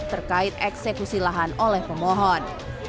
terkait eksekusi lahan oleh pemohon